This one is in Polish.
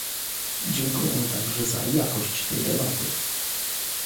Dziękuję także za jakość tej debaty